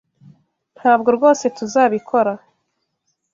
Ntabwo rwose tuzabikora.